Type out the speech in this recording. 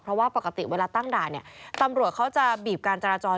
เพราะว่าปกติเวลาตั้งด่านเนี่ยตำรวจเขาจะบีบการจราจร